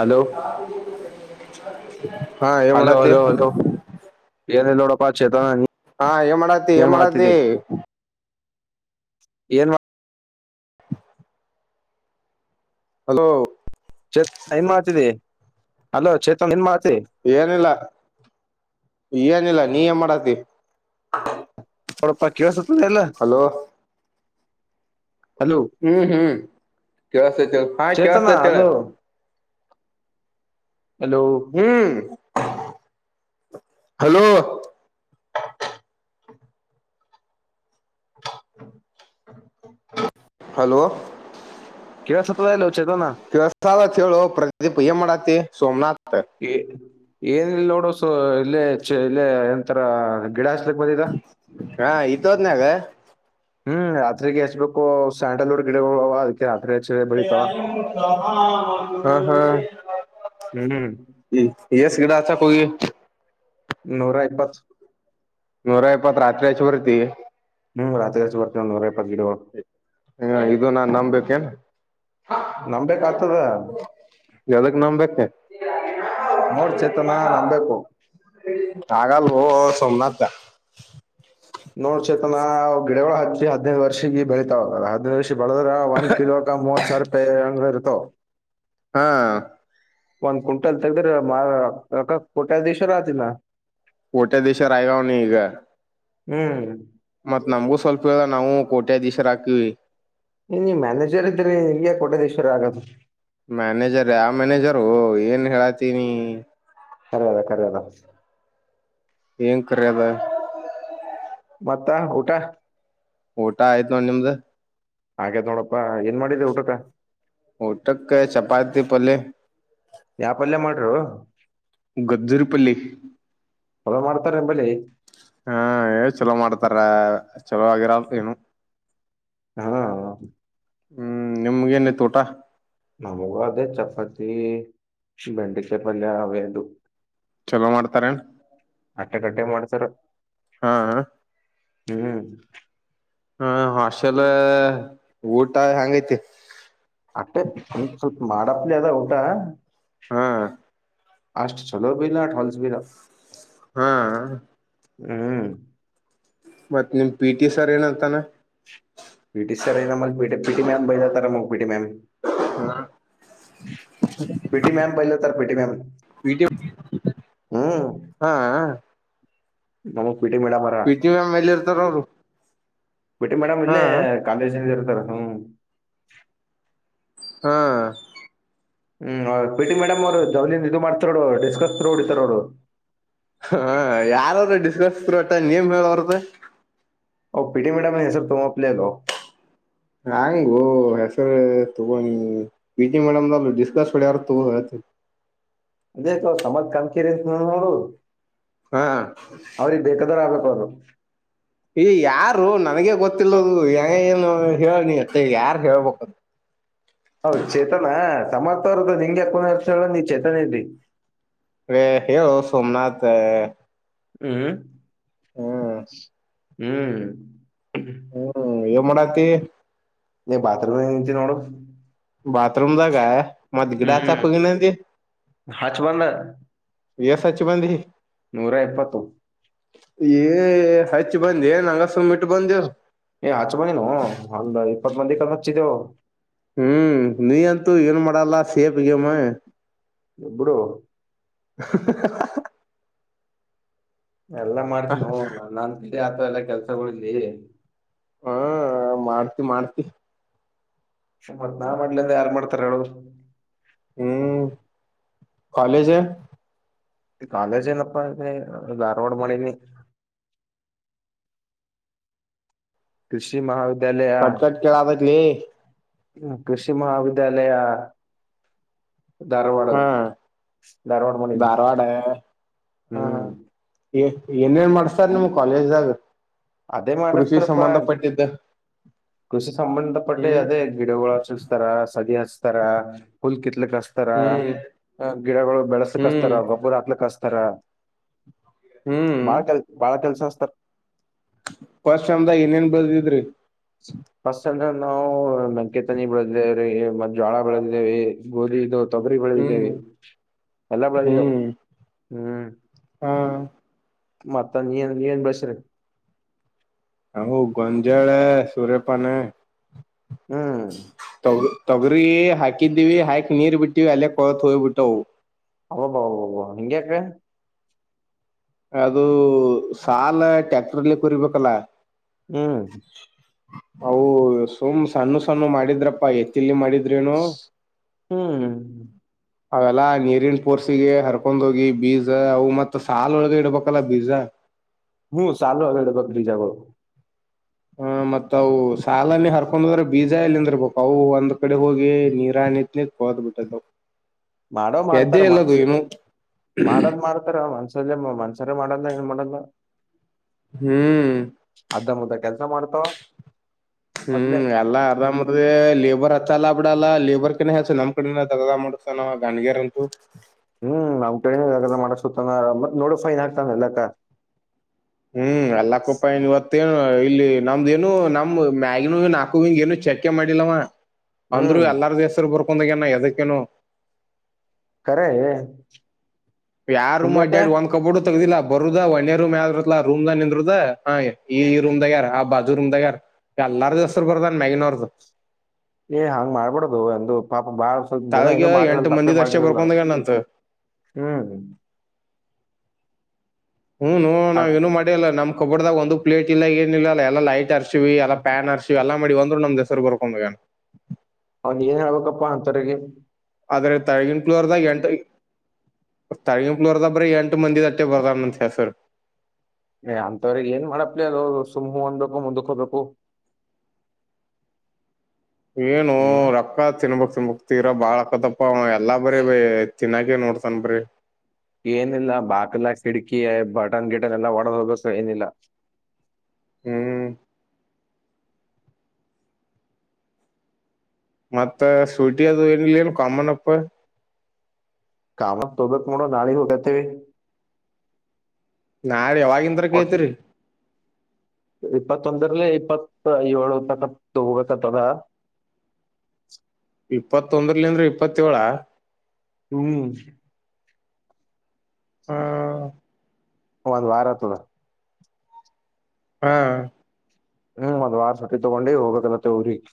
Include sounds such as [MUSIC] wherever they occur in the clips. Hello ಹಾ ಏನ್ hello ಮಾಡತ ಹಲೋ ಹಲೋ ಏನಿಲ್ಲ ನೋಡಪ್ಪಾ ಚೇತನ ನೀ [INAUDIBLE] ಹಾ ಮಾಡಡತಿ ಹೆಏ ಏನ್ ಮಾಡಡತಿ ಮಾಡ್ತಿದಿ [INAUDIBLE] ಏನ್ [INAUDIBLE] ಹಲೋ ಚತ್ ಮ ಆತಿದ ಹಲೋ ಚತ್ [INAUDIBLE] ಏನಿಲ್ಲ ಏನಿಲ್ಲ ನೀ ಮಾಡತಿ [INAUDIBLE] ಹೊಡಪ್ಪ ಕೇಳಸತದೆ ಎಲ್ಲ ಹಲೋ ಹಲೋ ಹ್ಮ್ ಹ್ಮ್ ಕೇಳಸ್ತೇತಿ ಹಾ ಚೇತನ ಕೇಳಿಸ್ತಾ ಇದೆ ಹಲೋ ಹಲೋ ಹ್ಮ್ ಹಲೋ [INAUDIBLE] ಹಲೋ [INAUDIBLE] ಕೆವ ಸತ ಆಲ [UNINTELLIGIBLE] ಕೆಲಸ ಹೇಳೋ ಪ್ರದೀಪ ಮಾಡತ್ತ ಸೋಮನಾಥ್ [INAUDIBLE] ಏನಲ್ ನೋಡುೋ ಸ ಇಲ್ಲೇ ಇಲ್ಲೇ ಎಂತರ [UNINTELLIGIBLE] ಬಂದಿದ ಹಾ ಇದ್ದ ಹೋದನಾಗ [INAUDIBLE] ಹ್ಮ್ ರಾತ್ರಿರಿಗೆ ಎಚ್ಬೇಕು ಸ್ಯಾಂಡಲ್ೂರ್ ಗಿಡ [UNINTELLIGIBLE] ಹ್ಮ ಹ್ಮ್ [INAUDIBLE] ಹ್ಮ್ ಎಸ್ಗಡ ಅ ಕೊ [INAUDIBLE] ನೂರ ಇಪ್ಪತ್ತು ನೂರ ಇಪ್ಪತ್ ರಾತ್ರಿ ಚ ಬರ್ತಿ ನುರ್ ಇಪತ್ ಹ ಇದು ನಾನ್ ನಂಬಬೇಕೇನ್ ನಂಬಬೇಕ್ ಆಗ್ತದ ಯದಕ್ಕೆ ನಾಮ ಬಕೆ ನೋಡ್ ಚೇತನ ನಂಬಬೇಕು [INAUDIBLE] ಆಗಲ್ಲ ಓ ಸೋಮನಾಥ್ [INAUDIBLE] ನೋಡ್ ಚೇತನ ಗಿಡಗಳಳ ಹಚ್ಚಿ ಹದಿನೈದು ವರ್ಷೀ ಬೆಳಿತತಾವ ಹದಲ್ಲ ಹದ್ಿನೈದು ವರ್ಷ [INAUDIBLE] ಬಳದ್ರ ಒನ್ ಕಿಲೋ ಕ ಮೂವತ್ತು ಸಾವಿರ ರೂಪಾಯಿಂಗ ಇರುತಾವ [UNINTELLIGIBLE] ಹಾ ಒಂದ್ ಕ್ವಿಂಟಲ್ ತಗದರೆಕ್ಕ ಕೋಟ್ಯಾ ದಿವೇಶ ಆತಿನ ಕೊಟ್ಯಾದೇಶ್ವರ ಆಗವ್ನೆ ಈಗ ಹ್ಮ್ ಮತ್ ನಮಗೂ ಸ್ವಲ್ಪ ನಾವು ಕೋಟ್ಯಾಧೀಶರ ಹಾಕಿವವಿ [INAUDIBLE] ಏ ನೀ ಮ್ಯಾನೇಜರ್ ಇದ್ರೀ ನಿಗ ಕೊಟ್ಟದೇಶಶ್ವರ ಆಗದು ಮ್ಯಾನೇಜರ್ ಯ ಮ್ಯಾನೇಜರ್ ಏನ್ ಹೇಳತೀನಿ ಸರದ ಕರ್ಯದ ಏನ್ ಕರಿಯದ ಮತ್ತ ಊಟ ಊಟ ಆಯ್ತು ನೋ ನಿಮ್ದ ಹಾಗ್ ನೋಡಪ್ಪಾ ಏನ್ ಮಾಡಿದ ಊಟಕ ಊಟಕ್ಕ ಚಪಾತಿ ಪಲೆ ಹೋ ಗಜರಿ ಪಲ್ಯ ಲ್ಲೇ ಹಾ ಏ ಚಲೋ ಮಾಡ್ತಾರ ಚಲೋ ಆಗಿರಲ್ ಏನು ಹಾ ಹ್ಮ್ ನಿಮ್ಗೆನಿತ್ತು ಊಟ ನಮಗ ಅದೇ ಚಪಾತಿ ಬೆೆಂಡೆ ಚಪಲ್ಯ ಅವೆ ಅದು ಚಲೋ ಮಾಡ್ತಾರೇನ್ ಆಟ್ಟೆ ಕಡ್ಡೆ ಮಾಡಸರ್ ಹಾ ಹ್ಮ್ ಹಾ ಹಷೆಲ್ ಊಟ ಹೆಯಾಂಗೈತಿ ಅಷ್ಟೆ ಒ ಸ್ವಲ್ಪ ಮಾಡಪ್ಲಿ ಅದ ಊಟ ಹ್ಮ ಅಷ್ಟ ಚಲೋ ಬಿ ವಲ್ಸ್ ಬಿ ಇಲ್ಲ ಹಾ ಹ್ಮ್ ಮತ್ತತ್ ನಿಮ್ ಪಿ ಟಿ ಸರ್ ಏನಂತಾನ ಪಿಟಿ ಸರ್ ಮ ಪಿಟ ಪಿಟಿ ಮ್ಯಾಮ್ ಬೈದಾತಾರ ಪಿಟಿ ಮ್ಯಾಮ್ ಹ ಪಿಟಿ ಮ್ಯಾಮ ಬೈಲ ಪಿಟಿ ಮ್ಯಾಮ್ ಹಾ ಹ ಪ್ರತಿ ಮ ಮೇಲೆ ಇರ್ತಾರ ಅವರು ಬಿಟ್ಟಿ ಮೇಡಮ್ ಹಾ ಇಲ್ಲೇ ಕಾಾಲಜ ಇರ್ತಾರ ಹಾ ಹ್ಮ್ ಪಿಟಿ ಮೇಡಮ್ ಅವ್ರು ಜವಲ್ದನ್ ಇ ಮಾಡ್ತಾರೋ ಡಿಸ್ಕಸ್ ಹೊಡಿತಾರೋಡು ಹ ಯಾರಾದ್ರ ಡಿಸ್ಕಸ್ ಅಟ ನೀಮ್ ಹೇಳ ಅವರದ ಓ ಪಿಟಿ ಮೇಡಮ್ ಹೆ ಸರ್ ತುಮಪ್ಲ ಅಗಾ ರಾಂಗೋ ಹೆಸ ತ ವಿಜಿ ಮೇಡಮ್ ನ ಡಿಸಕಸ್ ಹೊಡಾರ ತ ಹ ಅದೇ ಸಮಾಜ್ ಕಂಕೀರಿ ಅಂತ ನೋ ನೋಡು ಹಾ ಹಾ ಹ ಈ ಯಾರು ನನ್ಗ ಗೊತ್ತಿಲ್ಲದು ಏನು ಹೇಳನಿ ಅಷ್ಟೆ ಯಾರ ಹೇಳ್ಬೇಕದು ಹ ಹೌದ್ ಚೇತನ ಸಮರ್ಥವರ್ದ ನಿಂಗೆ ಕುನ ಅರ್ಷಲ್ಲ ನೀ್ ಚೇತನ ಇರಿ ರೇ ಹೇಳು ಸೋಮನಾಥ್ ಹ್ಮ್ ಹ್ಮ್ ಹ್ಮ್ ಹ್ಮ್ ಮಾಡಣಾತಿ ನೀ ಬಾಥರೂಮ ನಿಚ ನೋಡೋ ಬಾಥರೂಮದ ಮತ್ತ ಗಿಡ ಹಚ್ಚಕ್ ಹ್ಮ್ ಹೋಗೇನಿ ಅಂದಿ. ಹಚ್ ಬಂದ ಏಸ ಹಚ್ಚಿ ಬಂದಿ. ನಾರಾಯೆಪ್ಪತ್ತು. ಏ ಹಚ್ಚಿ ಬಂದ ಏ ನಂಗಸುಮ ಈಟ್ಟು ಬಂದ್ಯೋ. ಏ ಹಚ್ಚ ಬಂದೆನೋ ಅಂದ ಇಪ್ಪತ್ ಮಂದಿ ಕಡ ಹಚ್ಚಿದ್ದೆವು. ಹ್ಮ್ ನೀಂತೂ ಏನ್ ಮಾಡಲ್ಲ ಸೇಪ್ ಗಿಮ್. ಬಿಡೋ. ಹಾ ಹಾ ಹಾ ಹಾ. ಎಲ್ಲಾ ಮಾಡ್ತವಿ ನೋ ನನ್ನಂತೆ ಆತ ಎಲ್ಲಾ ಕೆಲ್ಸಗಳಿದವಿ. ಹ್ಮ ಮಾಡ್ತಿ ಮಾಡ್ತಿ. ಸುಮ್ಮತ್ ನಾ ಮಾಡ್ಲ ಅಂದ ಯಾರು ಮಾಡ್ತಾರ ಹೇಳರು. ಹ್ಮ್ ಕಾಲೇಜ್. ಕಾಲೇಜನಪ್ಪ ಧಾರವಾಡ ಮಾಡೇನಿ. ಕೃಷಿ ಮಹ. ಕಟ್ ಕಟ್ ಕೆಲತೆತಿ ಲೆ. ಹ್ಮ್ ಕೃಷಿ ಮಹಾಾವಿದ್ಯಾಲಯ. ಧಾರವಾಡ ಹಾ ಧಾರವಾಡ ಮಾಡೇನಿ ಧಾರವಾಡ ಹ್ಮ್. ಏನ್ ಏನ್ ಮಾಡ್ಸ್ತಾರ ನಿಮ್ ಕಾಲೇಜ್ದಾಗ. ಅದೇ ಕೃಷಿ ಮಾಡ್ಸ್ಥರಪ್ಪ. ಸಂಬಂಧಪಟ್ಟಿದ್ದ ಕೃಷಿ ಸಂಬಂಧಪಟ್ಟೆ ಹ್ಮ್ ಅದೇ ಗಿಡಗಳು ಚಸ್ತಾರ ಸಸಿಗೋಲ್. ತಾರ ಹುಲ್ ಕಿತ್ಲಕ್ಸ್ತಾರ ಹ್ಮ್ ಗಿಡಗಳು ಹ್ಮ್ ಬೆಳಸಕ್ಸ್ತಾರ ಗೊಬ್ಬರ ಹಾಕ್ಲಿಕ್ ಹಸ್ತಾರ್. ತರ ಹ್ಮ್ ಬಾಳ ಕೆಲ್ ಬಾಳ ಕೆಲ್ಸತಾರ. ಫಸ್ಟ್ ಟೈಮದಾಗ ಏನಏನ್ ಬೆಳೆದಿದ್ರಿ. ಫಸ್ಟ್ ಅಂದ್ರ ನಾವು ನಂಕತನಿ ಬೆಳದೇವ್ರೀ ಮ ಜೋಳ ಬೆಳೆದೇವಿ ಗೋಧಿ. ತೊಗರಿಬೇಳೆ ಬೆಳೆದಿದ್ದೇವೆ ಹ್ಮ್ ಎಲ್ಲ ಬೆಳದೇವ ಹ್ಮ್ ಹ್ಮ್. ಹಾ ಮತ್ತ ನೀ ನೀವ ಏನ್ ಬೆಳೆಸಿರಿ. ಅವು ಗೋಂಜಾಳ ಸೂರ್ಯಪಾನ ಹ್ಮ್ ತೋ. ತೊಗರಿ ಹಾಕಿದ್ದೀವಿ ಹಾಕಿ ನೀರ್ ಬಿಟ್ಟಿವಿ ಅಲ್ಲ ಕೊಳತ್ ಹೋಗ ಬಿಟ್ಟವು. ಹಬಬ ಹಾಂಗ್ಯಾಕ್. ಅದು ಸಾಲ ಟ್ಯಾಕ್ಟ್ರಲ್ಲಿ ಕೋರಿಬೇಕ್ರಿಯಲ್ಲ. ಹ್ಮ್. ಅವು ಸುಮ್ ಸಣ್ಣ ಸಣ್ಣು ಮಾಡಿದ್ರಪ್ಪಾ ಎತ್ತಿಲ್ಲಿ ಮಾಡಿದ್. ಹ್ಮ್. ಅವೆಲ್ಲಾ ನೀರಿನ್ ಪೋರ್ಸಿಗೆ ಹರ್ಕೊಂಡ ಹೋಗಿ ಬೀಜ ಅವ ಮತ್ ಸಾಲ ಒಳಗ ಇಡ್ಬೇಕಲ್ಲ ಬೀಜ. ಹ್ಮ ಸಾಲು ಒಳಗೆ ಇಡಬೇಕ್ ಬಿಜಗೋಳ. ಹ ಮತ್ತತ್ ಅವು ಸಾಲನ ಹರ್ಕೊಂಡ್ದ್ರೆ ಬೀಜ ಎಲ್ಲಿ ನಿಂದರ್ಬೇಕ್ ಅವು ಒಂದ್ ಕಡೆ ಹೋಗಿ ನೀರ. ಬದ ಬಿಟೆ [INAUDIBLE] ಮಾಡೋ ಮಾಡ್ತಾರ ಮನ್ಸು ಮಾಡೋದ್ ಮಾಡ್ತಾರ ಮನ್ಸ. ಮ ಮನಸಾರೆ ಮಾಡಲ್ಲ ಏನ್ ಮಾಡಲ್ಲ. ಹ್ಮ್. ಅ ಕೆಲ್ಸ ಮಾಡ್ತಾ. ಹ್ಮ್ ಎಲ್ಲ ಅರ್ಧ ಮುರ್ದ ಲೇಬರ್ ಹಚ್ಚಲ್ಲ ಬಿಡಲ್ಲ. ಅಲ್ಲ ಲೇಬರ್ ಕ ಹಚ್ಚು ನಮ್ ಕಡೆ ತಗಸ ನಾವ ಗಾಗರ ಅಂತೂ ಹ್ಮ್ ನಮ್ ಕಡೆನೇ ಎಲ್ಲ ಮಾಡ್ಸುತ್ತಾನ ನೋಡ ಫೈನ್ ಆಗ್ತಾನ ಎಲ್ಲಾಕ್ಕ ಹ್ಮ್ ಎಲ್ಲಕ್ಕೂಪ ಇವತ್ತು. ಮತ್ತೇ ಇಲ್ಲಿ ನಮ್ದ ಏನು ನಮ್ ಮ್ಯಾಗಿ ನಾಕು ಹಿಂಗ ಏನು ಚೆಕ್ಕೆ ಮಾಡಿಲ್ಲವ. ಅಂದ್ರು ಹ್ಮ್ ಎಲ್ಲಾರ ಹೆಸರು ಬರ್ಕೊಂಡ ಹೊಗ್ಯಾನ್ ಎದಕ್ಕೇನು. ಖರೆ. ಯಾವ ರೂಮ್ ಹಿಂಗ್ಯಾಕ ಅಡ್ಯಾಡ್ ಅಡಿ ಒಂದ ಕಬರ್ಡು ತಗ್ದಿಲ್ಲ ಬರುದ ಒಣೆೇ ರೂಮ ಯಾವುದ ಇರ್ತಿತ್ ಲಾ ಆ ರೂಮ್ ದ ನಿಂದ್ರದ ಹಾ. ಈ ಈ ರೂಮದಾಗ ಯಾರ್ ಆ ಬಾಜು ರೂಮ್ ದಾಗ್ ಯಾರ ಅಲ್ಲಾರ ಹೆಸರು ಬರ್ದಾನ್ ಮ್ಯಾಗೀನವೃದು. ಏ ಹಂಗ್ ಮಾಡ್ಬಡದು ಒಂದು ಪಾಪ. ಬಾಳ ಸ್ವಲ್ಪ ಜನ ತಳಗ ಏನೂ ಮಾಡಿರಲ್ಲ ಎಂಟು ತಪ್ಪೇ ಮಂದಿದ ಅಷ್ಟೇ ಮಾಡಿರಲ್ಲ ಬರ್ಕೊಂಡಾಗನಂತ ಹ್ಮ್ ಹ್ಮ. ಹ್ಮ್ ನೊ ಅದ್ ನಾವ ಏನು ಮಾಡ ಅಲ್ಲ ನಮ್ ಕಬೋರ್ಡ್ ದಾಗ ಒಂದು ಪ್ಲಟ್ ಇ ಏ ಇಲ್ಲಲ್ಲ ಎಲ್ಲ ಲೈಟ್ ಆರ್ತ ಹರ್ಶಿವಿ ಎಲ್ಲ ಪ್ಯಾನ್ ಹರ್ಶಿವ ಎಲ್ಲಾ ಮಾಡಿ ಒಂದ್ರು ನಮ್ ಹೆಸರು ಬರ್ಕೊಂಡ ಅವನ್ ಏನ್ ಹೇಳ್ಬೇಕಪ್ಪಾ ಅಂಥವರಿಗೆ ಆದ್ರೆ ತಳಗಿನ ಫ್ಲೋರ್ ದಾಗ ಎಂಟ್ರಿ ತಳಿಗಿನ್ ತಾಳ್ಗಿನ್ ಫ್ಲೋವರ್ದಾಗ ಬರಿ ಎಂಟ ಮಂದಿ ಅಷ್ಟೇ ಬರೆದನ್ ಅಂತ ಹೆಸರು ಏ ಅಂತವ್ರಿಗೆ ಏನ್ ಮಾಡಪ್ಲಿ ಅದು ಸುಮ್ ಅಂದಬೇಕು ಮುಂದಕ್ ಹೋಗ್ಬೇಕು ಏನು ಹ್ಮ್ ರೊಕ್ಕ ತಿನ್ಬಕ್ ತಿನ್ಬಕ್ ತೀರ ಬಾಳ್ ಅಕ್ಕದಪ್ಪ ಎಲ್ಲಾ ಬರೀ ತಿನ್ನಕ್ಕೆ ನೋಡ್ತನ್ ಬರಿ ಏನಿಲ್ಲ ಬಾಕಲ್ಲ ಕಿಡ್ಕಿ ಬಟನ್ ಗಿಟನ್ ಎಲ್ಲಾ ಒಡೆದ್ ಹೋಗಸ ಏನಿಲ್ಲ ಹ್ಮ್ ಮತ್ತ ಸೂಲ್ಟಿ ಅದು ಏನಿಲ್ಲ ಏನು ಕಾಮನ್ ಅಪ್ ಕಾಮನ್ ತೊಗತ್ ನೋಡೋ ನಾಳೆ ಗೆ ಹೋಗೋತಿವಿ ನಾಳೆ ಯಾವವಾಗಿಂದ್ರ ಬರ ಕೇಳ್ತಿರ್ರಿ ಇಪ್ಪತ್ತೊಂದರಲೇ ಇಪ್ಪತ್ ಏಳು ತಕತ್ ಹೋಗ ಕತ್ತಾರ ಇಪ್ಪತ್ತೊಂದ್ರಲಿಂದ್ರೆ ಇಪ್ಪತ್ತಏಳ ಹ್ಮ ಹ ಒಂದ್ ವಾರ ಆಯ್ತದ ಹಾ ಹ್ಮ್ ಒಂದು ವಾರ ಸಟ್ಟಿ ತಗೊಂಡಿ ಹೋಗಾಕತ್ತೀವಿ ಊರಿಗೆ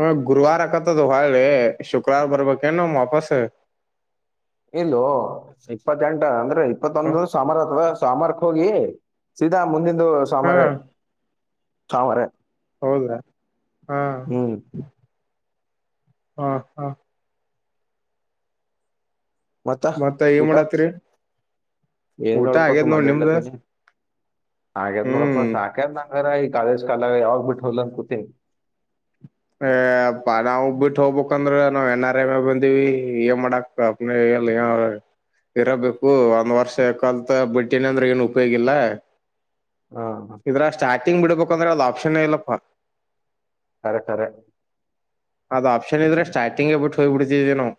ಹ ಗುರುವಾರ ಆಕತ್ತದ ಹೊಳಿ ಶುಕ್ರವಾರ ಬರ್ಬೇಕೇನು ವಾಪಸ್ ಇಲ್ಲ ಇಪ್ಪತ್ತೆಂಟ ಅಂದ್ರೆ ಇಪ್ಪತ್ತೊಂದ ಸೋಮವಾರ ಆತ್ದ ಸಾಮಾರ್ ಹೋಗಿ ಸೀದಾ ಮುಂದಂದು ಹಾ ಸೋಮಾರ ಸೋಮಾರ ಹೌದಾ ಹಾ ಹ್ಮ್ ಹಾ ಹಾ ಮತ್ತ ಏನ್ ಊಟ ಮಾಡತ್ರಿ ಏನ್ ಊಟ ಏನಿಲ್ಲಪ್ಪ ಆಗ್ಯದ್ ಸುಮ್ಮನೆ ನೋಡ್ ಅಡಾಡಕ್ ನಿಮ್ದ ಹತ್ತೀನಿ ಹಾಗ್ಯದ್ ನೋಡಪ್ಪ ಹ್ಮ್ ಸಾಕ್ಯತ್ ನಂಗರ ಈ ಕಾಲೇಜ್ ಕಾಲಾಗ ಯಾವಾಗ್ ಬಿಟ್ಟು ಹೋಲ್ ಅಂತ ಕೂತಿನಿ ಹೆ ನಾವ ಬಿಟ್ಟು ಹೋಗ್ಬೇಕಂದ್ರ ನಾವವು ನ್ ಆರ್ ಎಮ ಬಂದಿವವಿ ಏನ್ ಮಾಡಾಕ್ಪ್ ಇರಬೇಕು ಒಂದ್ ವರ್ಷ ಕಲ್ತ ಬಿಟ್ಟನ ಅಂದ್ರೆ ಏನು ಉಪಯೋಗಿಲ್ಲ ಹಾ ಇದ್ರ ಸ್ಟಾರ್ಟಿಂಗ್ ಬಿಡ್ಬೇಕಂದ್ರೆ ಅದ ಆಪ್ಷನ್ ಇಲ್ಲಪ್ಪಾ ಖರೆ ಖರೆ ಅದ್ ಆಪ್ಷನ್ ಇದ್ರೆ ಸ್ಟಾರ್ಟಿಂಗ್ಗೆ ಬಿಟ್ಟು ಹೋಗ್ಬಿಡ್ತಿದವಿ ನಾವು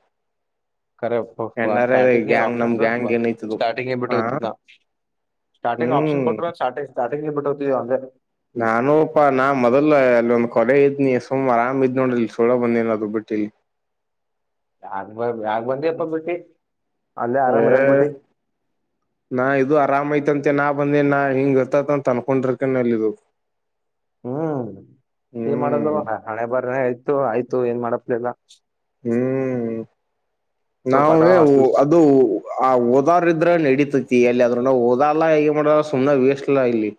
ರೆ N R I starting gang ನಮ್ ಆಪ್ಷನ್ಸ್ ಗ್ಯಾಂಗ್ ಏನೈತದು ಸ್ಟಾರ್ಟಿಂಗ್ ಇ ಹಾ ಬಿಟ್ಟತ ನ ಸ್ಟಾರ್ಟಿಂಗ್ ಆಪ್ನ್ ಹ್ಮ್ ಕೊಟ್ಟ ಸ್ಟಿ ಸ್ಟಾರ್ಟಿಂಗ್ ಬಿಟ್ಟವಿ ಅಲೆ ನಾನೂಪಾ ನಾ ಮೊದಲ್ಲು ಅಲ್ಲಿ ಒಂದ್ ಕೊಲೆ ಇದ್ನಿ ಸುಮ್ ಆರಾಮ ಇದ್ ನೋಡ್ರಿ ಇಲ್ಲಿ ಸೋಳೋ ಬಂದಏನದು ಬಿಟ್ಟು ಲಿ ಯಾಕ್ ಬಂದೆಪ್ಪ ಬಟಿ ಹೆ ನಾ ಇದು ಆರಾಮಯತ ತೆ ನಾ ಬಂದೇ ನಾ ಹಿಂಗ ಇರ್ತತ್ ಅನ್ಕೊಂಡ್ರಕನ್ಲೀದು ಹ್ಮ್ ಮಾಡದು ಹಣೆ ಬಾರ ಆಯ್ತು ಆಯ್ತು ಏನ್ ಮಾಡಪ್ಲಿಲ್ಲ ಹ್ಮ್ ಸೊ ತಗಳ ನಾವೇ ಹಾಸ್ಟೆಲ್ ಅದು ಆ ಓದಾರ್ ಇದ್ರ ನಡೀತತಿ ಎಲ್ಲಿದ್ರೂ ಓದ ಎಲ್ಲ ಹೇಗೆ ಮಾಡ ಸುಮ್ ವೆಸ್ಟ್ ಲಾ ಇಲ್ಲಿ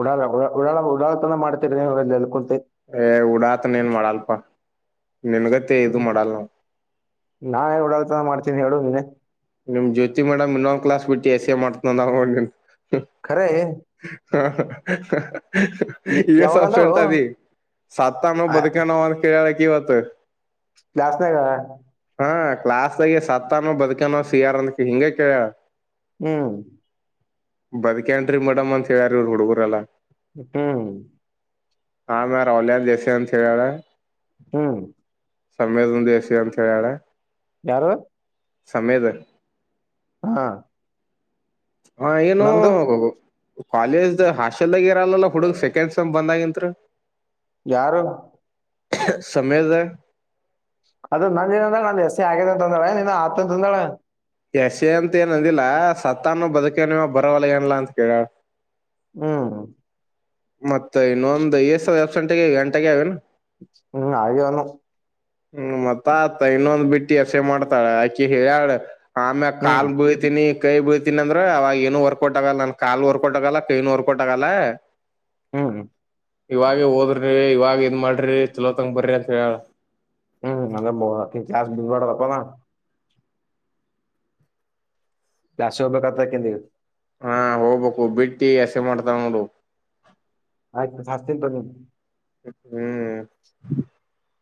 ಉಡಾಳ ಉಡಳ ಉಡಾಳತನ ಮಾಡ್ತರಿ ನೀವೆಲ್ಲ ಏ ಊಡಾತನ ಏನ್ ಮಾಡಲ್ಪ ನಿನ್ಗತೆ ಇದು ಮಾಡಲ್ಲ ನಾವು ನಾನೇ ಎಲ್ಲ್ ಉಡಲ್ತನ ಮಾಡ್ತೀನಿ ಹೇಳು ನೀನೆ ನಿಮ್ ಜ್ಯೋತಿ ಮೇಡಮ್ ಇನ್ನೊಂದು ಕ್ಲಾಸ್ ಬಿಟ್ಟ ಎಸ್ ಎ ಮಾಡ್ತನ ಖರೆ ಹಾ ಹ ಈಗ ಯಾವಾಗಂದಳು ಸಪ್ಸೆಂಟ್ ಅದಿ ಸತ್ತಾನ ಬದುಕನ ಅಂತ ಕೇಳ ಇವತ್ತು ಕ್ಲಾಸ್ ನಾಗ ಹಾ ಕ್ಲಾಸಲ್ಲಿ ಸತ್ತಾನೋ ಬದುಕಾನೋ ಸಿಯಾರ ಹಿಂಗ ಕ ಹ್ಮ್ ಬದಕೇನ್ರಿ ಮೇಡಮ್ ಅಂತತ್ ಹೇಳ್ಯಾರ ಹುಡುಗರಲ್ಲಾ ಹ್ಮ ಹಾ ಮ ರೌಲ ಜಸ ಅಂತಂತ ಹೇಳ [UNINTELLIGIBLE] ಹ್ಮ್ ಸಮಮ್ಮೇದ ದಸಿಯಂ ಚಯಳ [UNINTELLIGIBLE] ಯಾರು ಸಮೇತ ಹಾ ಹಾ ಏನು ನಂದು [INAUDIBLE] ಕಾಲೇಜ್ ಹಾಸ್ಟೆಲ್ದಾಗ ಇರಲ್ಲಾ ಹುಡುಗಗ್ ಸೆಕೆಂಡ್ ಸೆಮ್ ಬಂದಗತ್ ಯಾರು ಸಮೀರ್ತ ಅದು ನಂದಏನ ಅಂದ್ರೆ ನಂದ್ ಎಸ ಆಗಿದೆ ಅಂತಂದಾಳೆ ನೀನ್ ಆತಂತ ಅಂದ್ರಳೆ [UNINTELLIGIBLE] ಎಸೆ ಅಂತ ಏನಂದಿಲ್ಲ ಸತ್ತ ಅಾನ ಬದುಕನವ ಬರವಲ್ಲ ಏನಲ್ಲಾ ಅಂತ ಕೇಳಳ ಹ್ಮ್ ಮತ್ತೆ ಇನ್ನೊಂದ ಸಾವ ಎರ ಗಂಟೆಗೆ ಗಂಟೆಗೆ ಅವೇನ್ [UNINTELLIGIBLE] ಹ್ಮ್ ಆಗಂದ [UNINTELLIGIBLE] ಹ್ಮ್ ಮತ್ತ ಆತ ಇನ್ನೊಂದ್ ಬಿಟ್ಟಿ ಎಸೆ ಮಾಡ್ತಾಳ ಆಕಿ ಹೇಳ್ಯಾಾಳ ಆಮೇಲೆ ಹ್ಮ್ ಕಾಲ್ ಬಯ್ತೀನಿ ಕೈ ಬೀಳ್ತೀನಿ ಅಂದ್ರ ಅವಾಗ ಏನು ಹೊರ್ಕೋಟಾಗಲ್ಲ ನನ್ ಕಾಲು ಹೊರ್ಕೋಟಗಲ್ಲ ಕೈನು ಹೊರ್ಕೊಟ ಆಗಲ್ಲ ಹ್ಮ್ ಇವಾಗ ಹೋದ್ರಿ ಇವಾಗ ಇದ್ ಮಾಡ್ರಿ ಚಲೋ ತಂಗ ಬರ್ರಿ ಅಂತ ಹೇಳೋಳೆ ಹ್ಮ್ ಅ ಕಾಸ್ ಬಿ್ ಮಾಡಡದಪ್ಪದ [UNINTELLIGIBLE] ಲಾಸೋಭ ಕತ ಎಂ [UNINTELLIGIBLE] ಹಾ ಹೋಗ್ಬೇಕು ಬಿಟ್ಟು ಎಸೆ ಮಾಡ್ತಾವ ನೋಡು ಆಯ್ತು ಜಾಸ್ತಿನ್ ತಗ [UNINTELLIGIBLE] ್ಮ ಹ್ಮ್